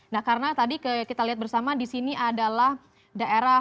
nah karena tadi kita lihat bersama di sini adalah daerah